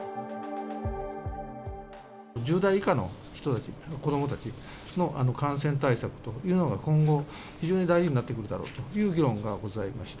１０代以下の人たち、子どもたちの感染対策というのが今後、非常に大事になってくるだろうという議論がございました。